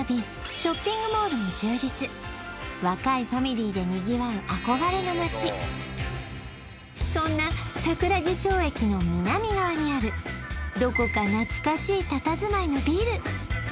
ショッピングモールも充実若いファミリーでにぎわう憧れの街そんな桜木町駅の南側にあるどこか懐かしいたたずまいのビル